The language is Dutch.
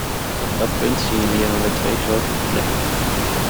Op dat punt signaleren we twee grote problemen.